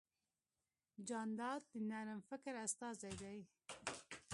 جانداد د نرم فکر استازی دی.